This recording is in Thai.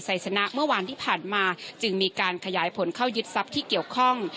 สนะเมื่อวานที่ผ่านมาจึงมีการขยายผลเข้ายึดทรัพย์ที่เกี่ยวข้อง